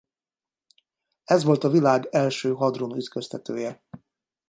Ez volt a világ első hadron-ütköztetője.